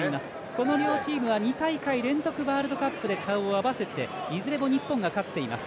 この両チームは２大会連続ワールドカップで顔を合わせていずれも日本が勝っています。